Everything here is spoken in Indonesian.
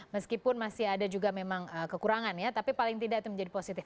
meskipun masih ada juga memang kekurangan ya tapi paling tidak itu menjadi positif